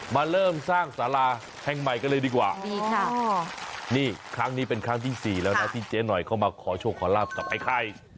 มาเริ่มสร้างสาราแห่งใหม่กันเลยดีกว่าดีค่ะนี่ครั้งนี้เป็นครั้งที่สี่แล้วนะที่เจ๊หน่อยเข้ามาขอโชคขอลาบกับไอ้ไข่